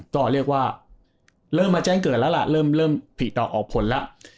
ก็เรียกว่าเริ่มมาแจ้งเกิดแล้วล่ะเริ่มผีต่อออกผลแล้ว